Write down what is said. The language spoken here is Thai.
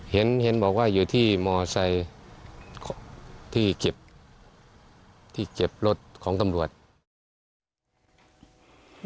เห็นเห็นบอกว่าอยู่ที่มอไซค์ที่เก็บที่เก็บรถของตำรวจ